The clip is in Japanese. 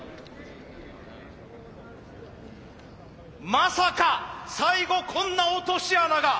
まさか最後こんな落とし穴が。